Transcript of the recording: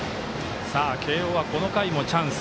慶応はこの回もチャンス。